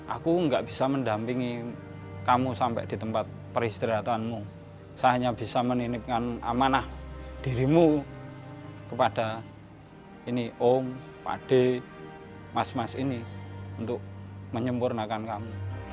aku nggak bisa mendampingi kamu sampai di tempat peristirahatanmu saya hanya bisa menitipkan amanah dirimu kepada ini om pak d mas mas ini untuk menyempurnakan kamu